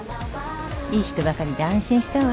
いい人ばかりで安心したわ。